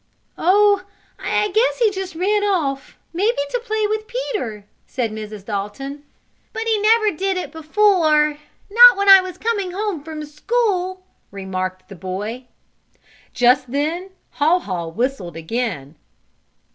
"Oh, I guess he just ran off, maybe to play with Peter," said Mrs. Dalton. "But he never did it before not when I was coming home from school," remarked the boy. Just then Haw Haw whistled again.